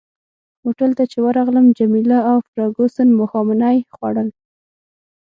هوټل ته چي ورغلم جميله او فرګوسن ماښامنۍ خوړل.